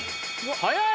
早い！